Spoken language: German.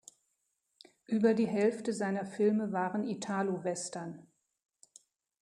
Über die Hälfte seiner Filme waren Italowestern.